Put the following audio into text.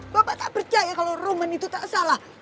bapak tak percaya kalau roman itu tak salah